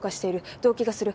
動悸がする。